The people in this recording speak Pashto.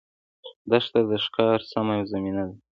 دښته د ښکار سمه زمینه ده.